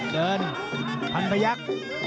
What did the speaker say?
เดินพันพยักษ์